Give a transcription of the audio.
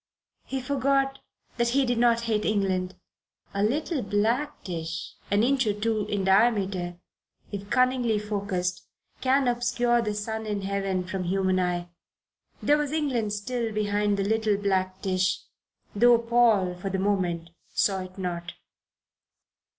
He forgot that he did not hate England. A little black disk an inch or two in diameter if cunningly focussed can obscure the sun in heaven from human eye. There was England still behind the little black disk, though Paul for the moment saw it not.